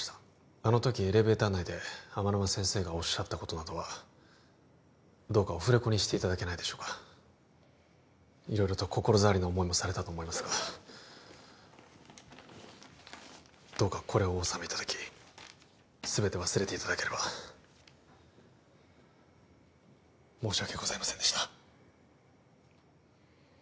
あの時エレベーター内で天沼先生がおっしゃったことなどはどうかオフレコにしていただけないでしょうか色々と心障りな思いもされたと思いますがどうかこれをお納めいただきすべて忘れていただければ申し訳ございませんでした